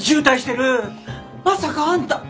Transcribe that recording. まさかあんた！